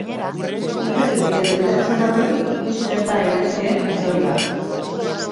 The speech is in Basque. Hitz egin edo ezer esan aurretik ikusi gerta daitezkeen ondorioak.